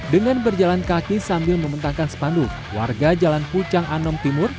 dengan berjalan kaki sambil membentangkan sepanduk warga jalan pucang anom timur